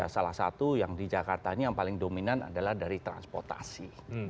salah satu yang di jakarta ini yang paling dominan adalah dari transportasi